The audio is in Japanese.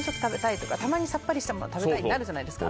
たまにさっぱりしたもの食べたいってなるじゃないですか。